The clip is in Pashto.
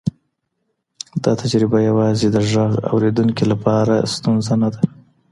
دا تجربه یوازې د غږ اورېدونکي لپاره ستونزه نه ده.